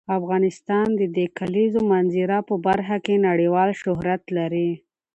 افغانستان د د کلیزو منظره په برخه کې نړیوال شهرت لري.